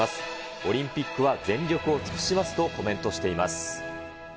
オリンピックは全力を尽くしますとコメントしています。